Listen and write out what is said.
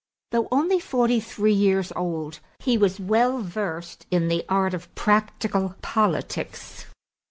Though only forty three years old he was well versed in the art of practical politics.